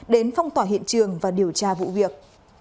đến phong tỏa hiện trường và điều tra vụ việc